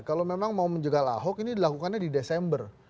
kalau memang mau menjegal ahok ini dilakukannya di desember